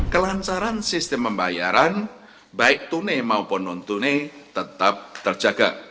kelansaran sistem pembayaran baik tune maupun non tune tetap terjaga